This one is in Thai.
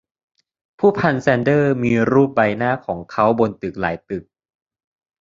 ผู้พันแซนเดอมีรูปใบหน้าของเค้าบนตึกหลายตึก